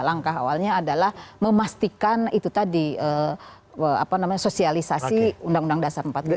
langkah awalnya adalah memastikan itu tadi sosialisasi undang undang dasar empat puluh lima